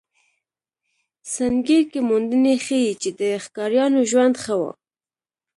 سنګیر کې موندنې ښيي، چې د ښکاریانو ژوند ښه و.